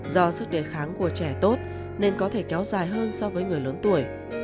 do sức đề kháng của trẻ tốt nên có thể kéo dài hơn so với người lớn tuổi